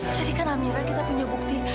jadikan amira kita punya bukti